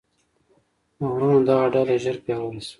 د وروڼو دغه ډله ژر پیاوړې شوه.